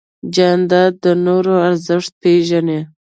جانداد د نورو ارزښت پېژني.